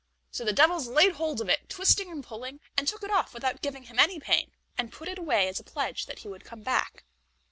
So the devils laid hold of it, twisting and pulling, and took it off without giving him any pain, and put it away as a pledge that he would come back.